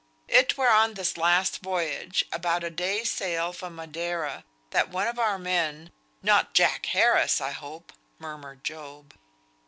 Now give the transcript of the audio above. "It were on this last voyage, about a day's sail from Madeira, that one of our men " "Not Jack Harris, I hope," murmured Job.